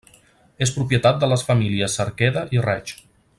És propietat de les famílies Cerqueda i Reig.